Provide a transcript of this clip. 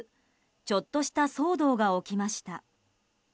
ちょっとした騒動が起きました。